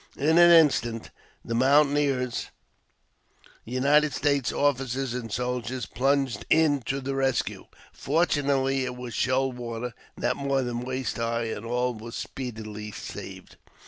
In an instant, mountaineers, United States ofi&cers and soldiers plunged in to the rescue. Fortunately it was shoal water, not more than waist high, and all was speedily saved.